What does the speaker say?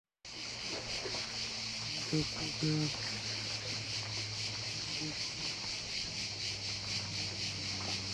Hydrocodone, এটার generic নাম Vicodin.